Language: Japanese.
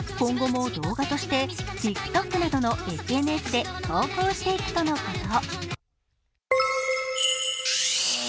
今後も動画としてＴｉｋＴｏｋなどのＳＮＳで投稿していくとのこと。